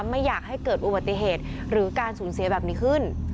ไม่อยากให้เกิดอุบัติเหตุหรือการสูญเสียแบบนี้ขึ้น